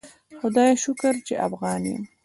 خدایه شکر چی افغان یم